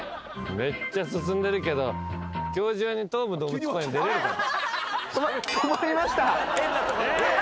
めっちゃ進んでるけど今日中に東武動物公園出れるかな。